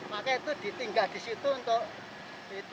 makanya itu ditinggalkan di situ untuk itu